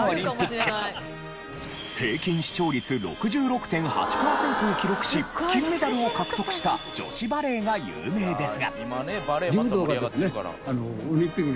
平均視聴率６６．８パーセントを記録し金メダルを獲得した女子バレーが有名ですが。